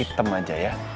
item aja ya